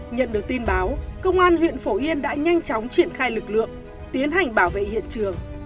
nhận được tin báo công an huyện phổ yên đã nhanh chóng triển khai lực lượng tiến hành bảo vệ hiện trường